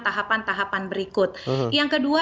tahapan tahapan berikut yang kedua